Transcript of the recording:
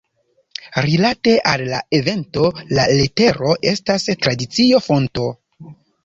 Rilate al la evento, la letero estas tradicio-fonto.